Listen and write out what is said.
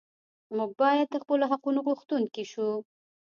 موږ باید د خپلو حقونو غوښتونکي شو.